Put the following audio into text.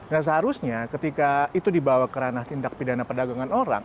nah seharusnya ketika itu dibawa ke ranah tindak pidana perdagangan orang